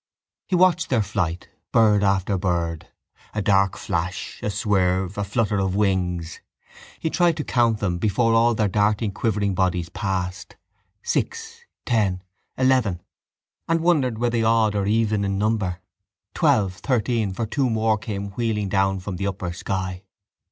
He watched their flight; bird after bird: a dark flash, a swerve, a flutter of wings. He tried to count them before all their darting quivering bodies passed: six, ten, eleven: and wondered were they odd or even in number. Twelve, thirteen: for two came wheeling down from the upper sky.